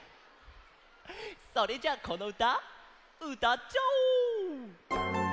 それじゃこのうたうたっちゃおう！